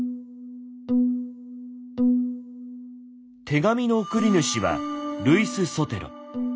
手紙の送り主はルイス・ソテロ。